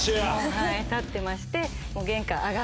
はい立ってまして。